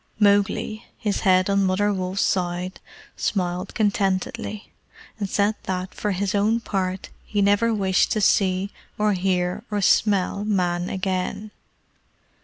Mowgli, his head on Mother Wolf's side, smiled contentedly, and said that, for his own part, he never wished to see, or hear, or smell Man again.